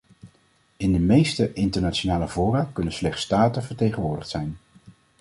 In de meeste internationale fora kunnen slechts staten vertegenwoordigd zijn.